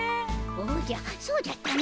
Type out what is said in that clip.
おじゃそうじゃったの。